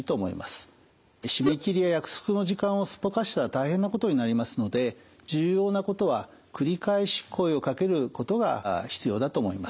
締め切りや約束の時間をすっぽかしたら大変なことになりますので重要なことは繰り返し声をかけることが必要だと思います。